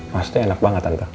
pasti enak banget tante